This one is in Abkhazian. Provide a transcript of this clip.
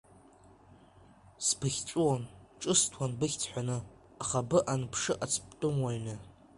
Сбыхьҵәыуон, ҿысҭуан быхьӡ ҳәаны, аха быҟан бшыҟац бтәымуаҩны.